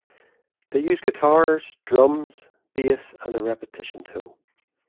They use guitars, drums, bass and a repetitiontool.